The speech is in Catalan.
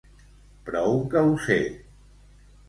Prou que ho sé.